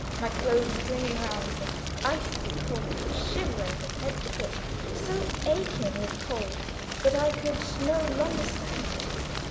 My clothes clinging round me; icy cold, shivering from head to foot; so aching with cold that I could no longer stand.